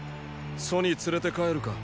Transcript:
楚に連れて帰るか。